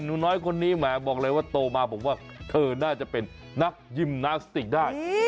หนูน้อยคนนี้แหมบอกเลยว่าโตมาบอกว่าเธอน่าจะเป็นนักยิมนาสติกได้